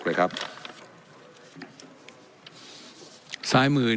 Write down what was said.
และยังเป็นประธานกรรมการอีก